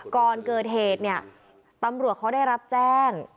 ก่อนเกิดเหตุเนี่ยตำรวจเขาได้รับแจ้ง